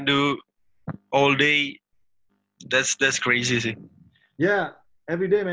kalau kamu bisa melakukannya sepanjang hari itu gila